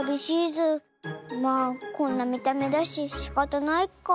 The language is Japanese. まあこんなみためだししかたないか。